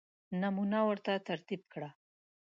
نمونه ورته ترتیب کړه.